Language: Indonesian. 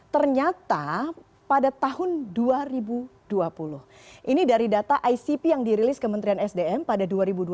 ternyata pada tahun dua ribu dua puluh ini dari data icp yang dirilis kementerian sdm pada dua ribu dua puluh